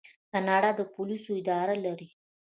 کاناډا د پولیسو اداره لري.